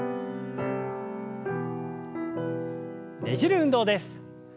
ねじる運動です。